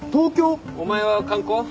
お前は観光？